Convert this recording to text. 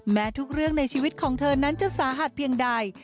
แม้ทุกเรื่องในชีวิตของเธอนั้นจะสาหัสเพียงใด